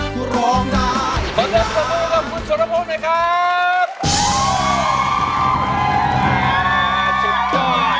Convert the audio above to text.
ขอเดินสนุนกับคุณสุนพลไหมครับ